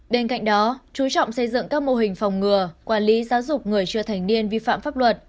bên cạnh đó chú trọng xây dựng các mô hình phòng ngừa quản lý giáo dục người chưa thành niên vi phạm pháp luật